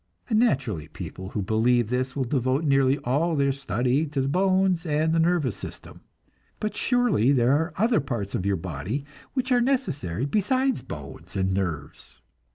Naturally people who believe this will devote nearly all their study to the bones and the nervous system. But surely, there are other parts of your body which are necessary besides bones and nerves!